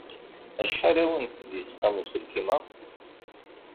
Acḥal ay awent-d-yesqam uselkim-a?